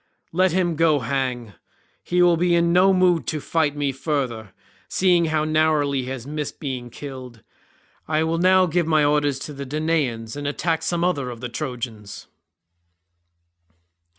Let him go hang; he will be in no mood to fight me further, seeing how narrowly he has missed being killed. I will now give my orders to the Danaans and attack some other of the Trojans."